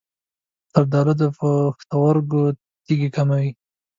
زردآلو د پښتورګو تیږې کموي.